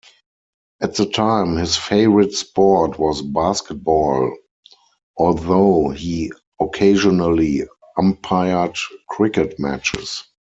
At the time, his favourite sport was basketball, although he occasionally umpired cricket matches.